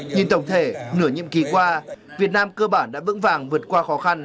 nhìn tổng thể nửa nhiệm kỳ qua việt nam cơ bản đã vững vàng vượt qua khó khăn